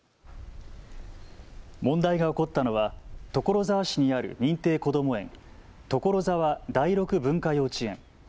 問題が起こったのは所沢市にある認定こども園、所沢第六文化幼稚園。